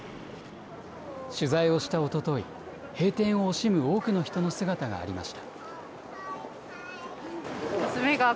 取材をしたおととい、閉店を惜しむ多くの人の姿がありました。